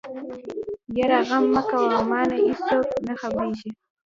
يره غم مکوه مانه ايڅوک نه خبرېږي.